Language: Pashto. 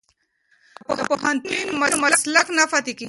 که پوهنتون وي نو مسلک نه پاتیږي.